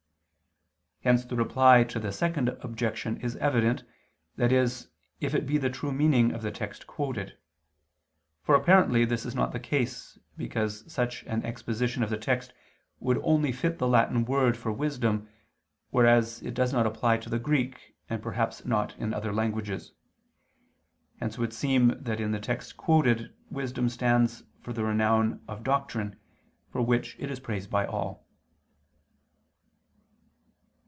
Hence the Reply to the Second Objection is evident, that is if this be the true meaning of the text quoted. For, apparently this is not the case, because such an exposition of the text would only fit the Latin word for wisdom, whereas it does not apply to the Greek and perhaps not in other languages. Hence it would seem that in the text quoted wisdom stands for the renown of doctrine, for which it is praised by all.